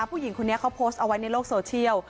ผู้หญิงคนนี้เขาโพสต์เอาไว้ในโลกโซเชียล